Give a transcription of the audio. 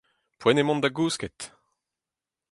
Poent eo mont da gousket.